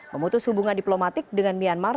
memutus hubungan diplomatik dengan myanmar